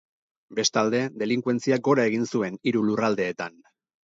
Bestalde, delinkuentziak gora egin zuen, hiru lurraldeetan.